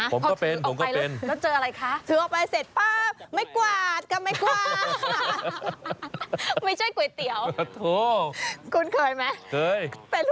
ผมก็เป็นผมก็เป็น